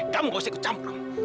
kamu nggak usah ikut campur